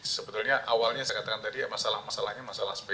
sebetulnya awalnya saya katakan tadi ya masalah masalahnya masalah sepeda